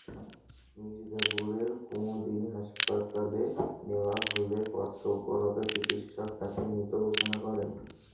মির্জাপুরের কুমুদিনী হাসপাতালে নেওয়া হলে কর্তব্যরত চিকিৎসক তাঁকে মৃত ঘোষণা করেন।